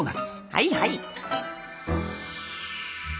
はいはい。